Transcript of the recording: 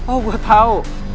oh gue tau